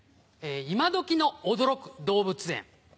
今どきの驚く動物園。